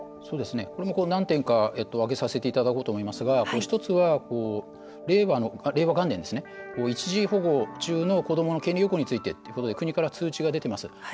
これも何点か挙げさせていただこうと思いますが１つは令和元年、一時保護中の子どもの権利擁護についてということで国から通知が出てます。